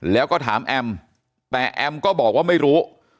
แล้วก็ถามแอมแต่แอมก็บอกว่าไม่รู้